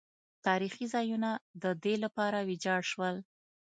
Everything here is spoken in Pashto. تاریخي ځایونه د دې لپاره ویجاړ شول.